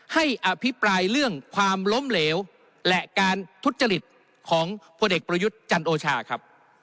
ให้อภิปรายเรื่องความล้มเหลวและการทุจริตของพลเอกประยุทธ์จันโอชาครับ